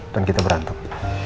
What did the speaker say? dan kita berantem